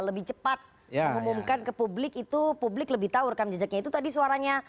lebih cepat mengumumkan ke publik itu publik lebih tahu rekam jejaknya itu tadi suaranya